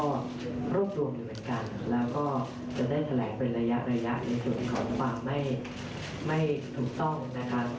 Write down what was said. ก็รวบรวมอยู่เหมือนกันแล้วก็จะได้แถลงเป็นระยะระยะในส่วนของความไม่ถูกต้องนะคะ